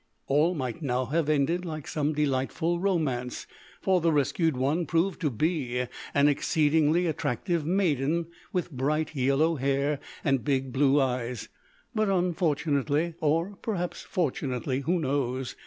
All might now have ended like some delightful romance, for the rescued one proved to be an exceedingly attractive maiden, with bright yellow hair and big blue eyes; but unfortunately or perhaps fortunately, who knows?